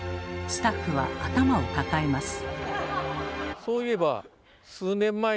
スタッフは頭を抱えます。